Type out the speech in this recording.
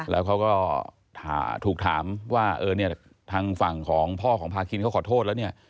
แล้วเขาก็ถูกถามว่าเออเนี่ยทางฝั่งของพ่อของพาคินเขาขอโทษแล้วเนี่ย